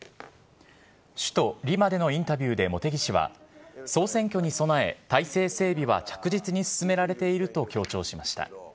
首都リマでのインタビューで茂木氏は、総選挙に備え、体制整備は着実に進められていると強調しました。